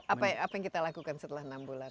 apa yang kita lakukan setelah enam bulan